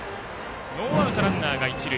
ノーアウト、ランナーが一塁。